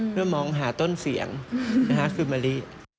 เพื่อมองหาต้นเสียงนะฮะคือบรรลิ